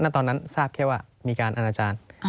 ตอนนั้นทราบแค่ว่ามีการอนาจารย์